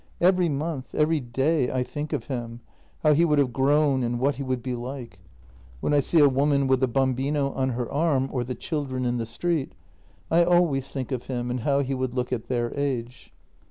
Every month, ever } 7 day I think of him — how he would have grown and what he would be like. When I see a woman with a bambino on her JENNY 269 arm, or the children in the street, I always think of him and how he would look at their age."